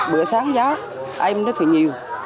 bữa sáng giáo êm nó thì nhiều